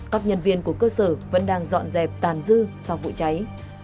các nhân viên của cơ sở vẫn đang dọn dẹp tàn dư sau vụ cháy